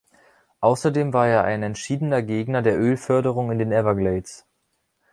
Außerdem war er ein entschiedener Gegner der Ölförderung in den Everglades.